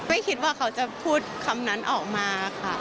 ไม่คิดว่าเขาจะพูดคำนั้นออกมาค่ะ